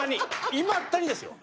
いまだにですよ。